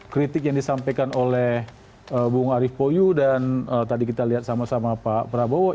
kritik yang disampaikan oleh bung arief pouyou dan tadi kita lihat sama sama pak prabowo itu juga bukan kritik yang diperlukan